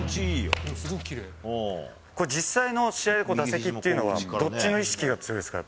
これ、実際の試合で、打席というのは、どっちの意識が強いっすか？